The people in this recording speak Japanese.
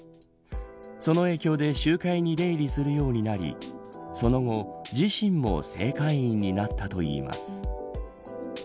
その影響で集会に出入りするようになりその後、自身も正会員になったといいます。